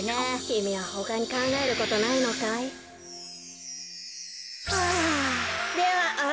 きみはほかにかんがえることないのかい？はあ。